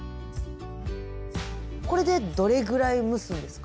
これでどれくらい蒸すんですか？